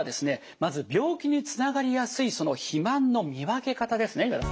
まず病気につながりやすい肥満の見分け方ですね岩田さん。